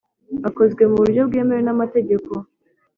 akozwe mu buryo bwemewe n amategeko